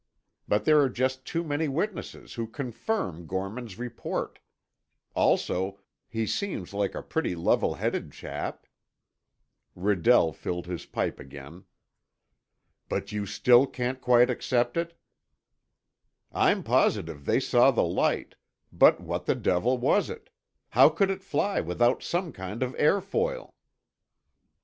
But there are just too many witnesses who confirm Gorman's report. Also, he seems like a pretty level headed chap." Redell filled his pipe again. "But you still can't quite accept it?" "I'm positive they saw the light—but what the devil was it? How could it fly without some kind of airfoil?"